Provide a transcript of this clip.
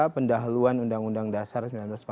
pendahuluan undang undang dasar